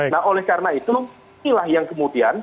nah oleh karena itu inilah yang kemudian